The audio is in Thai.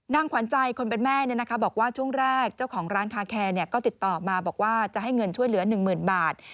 ขวัญใจคนเป็นแม่บอกว่าช่วงแรกเจ้าของร้านคาแคร์ก็ติดต่อมาบอกว่าจะให้เงินช่วยเหลือ๑๐๐๐บาท